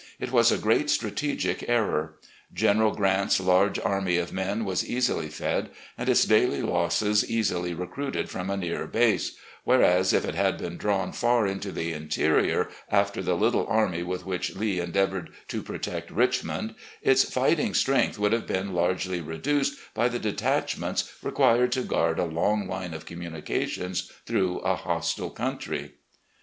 It was a great strategic error. General Grant's large army of men was easily fed, and its daily losses easily recruited from a near base ; whereas, if it had been drawn far into the interior after the little army with which Lee endeavoured to protect Richmond, its fighting strength would have been largely reduced by the detachments required to guard a long line of communications through a hostile country."